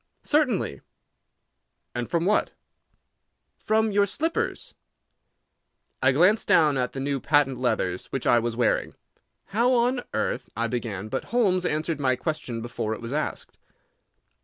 "Certainly." "And from what?" "From your slippers." I glanced down at the new patent leathers which I was wearing. "How on earth—" I began, but Holmes answered my question before it was asked.